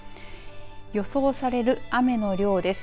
予想される雨の量です。